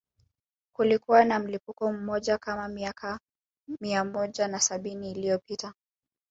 Kulikuwa na mlipuko mmoja kama miaka mia moja na sabini iliyopita